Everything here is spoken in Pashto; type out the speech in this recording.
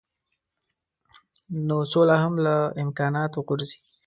نو سوله هم له امکاناتو غورځي.